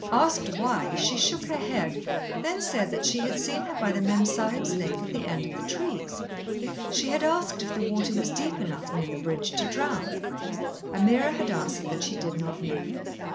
Asked why, she shook her head, then said that she had seen her by the Mem Sahib's lake at the end of the trees. She had asked if the water was deep enough, near the bridge, to drown. Ameerah had answered that she did not know.